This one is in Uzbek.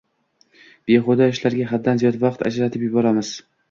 Behuda ishlarga haddan ziyod vaqt ajratib yuboramiz.